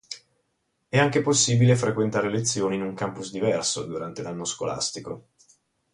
È anche possibile frequentare lezioni in un campus diverso durante l'anno scolastico.